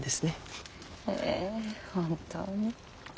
えぇ本当に。